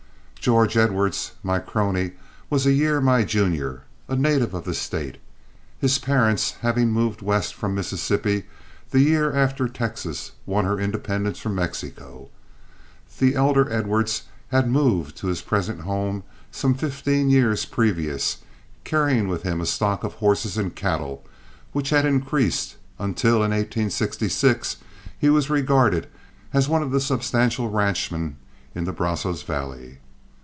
George Edwards, my crony, was a year my junior, a native of the State, his parents having moved west from Mississippi the year after Texas won her independence from Mexico. The elder Edwards had moved to his present home some fifteen years previous, carrying with him a stock of horses and cattle, which had increased until in 1866 he was regarded as one of the substantial ranchmen in the Brazos valley.